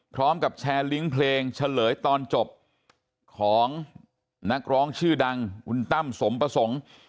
พร้อมกับแชร์ลิงก์เพลงเฉลยตอนจบของนักร้องชื่อดังคุณตั้มสมประสงค์